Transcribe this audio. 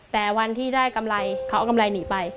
แต่วันที่ได้กำไรเขาเอากำไรหนีไป